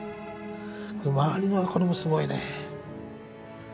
周りがこれもすごいね。